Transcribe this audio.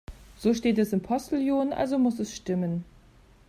So steht es im Postillon, also muss es stimmen.